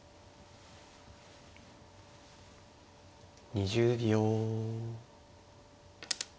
２０秒。